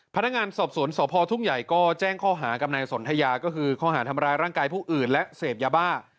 พนักงานสอบสวนสพทุ่งใหญ่ก็แจ้งข้อหากับนายสนทยาก็คือข้อหาทำร้ายร่างกายผู้อื่นและเสพยาบ้า